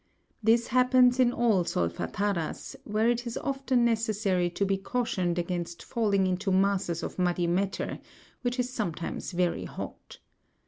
This happens in all solfata'ras, where it is often necessary to be cautioned against falling into masses of muddy matter, which is sometimes very hot.